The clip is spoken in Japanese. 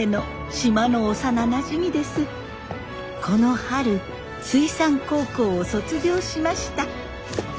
この春水産高校を卒業しました。